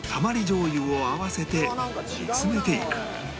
じょう油を合わせて煮詰めていく